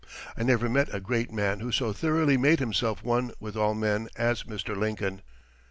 I never met a great man who so thoroughly made himself one with all men as Mr. Lincoln.